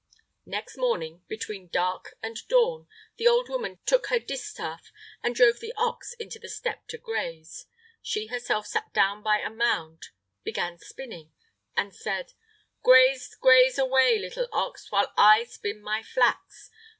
Next morning, between dark and dawn, the old woman took her distaff and drove the ox into the steppe to graze. She herself sat down by a mound, began spinning, and said: "Graze, graze away, little ox, while I spin my flax!